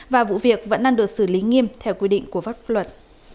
và vụ việc vẫn đang được xử lý nghiêm theo quy định của pháp luật